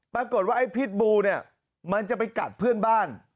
ปรากฏว่าไอ้พิษบูเนี่ยมันจะไปกัดเพื่อนบ้าน